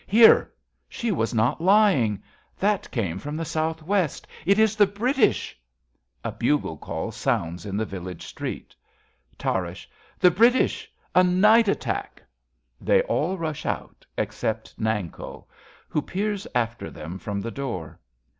Hear ! She was not lying. That came from the south west. p 65 RADA It is the British ! {A bugle call sounds in the village street.) Tarrasch. The British ! A night attack ! {They all I'ush out except Nanko, who peers after them from the door.